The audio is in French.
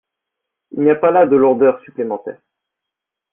Il n’y a pas là de lourdeur supplémentaire.